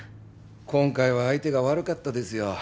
今回は相手が悪かったですよ。